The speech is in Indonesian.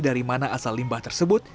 dari mana asal limbah tersebut